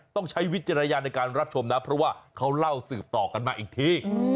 ใช้วิจารณญาณในการรับชมนะเพราะว่าเขาเล่าสืบต่อกันมาอีกที